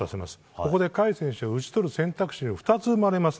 ここで甲斐選手は打ち取る選択肢が２つ生まれます。